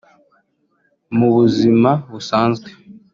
Mubuzima busanzwe